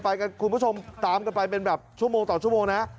คุณผู้ชมตามกันไปเป็นแบบชั่วโมงต่อชั่วโมงนะ